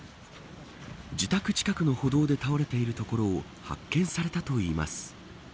自宅近くの歩道で倒れているところを発見されたといいます。